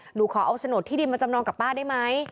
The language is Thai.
หนูขอเอาโฉนดที่ดินมาจำนองกับป้าได้ไหม